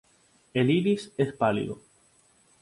El iris es pálido.